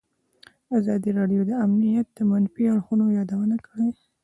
ازادي راډیو د امنیت د منفي اړخونو یادونه کړې.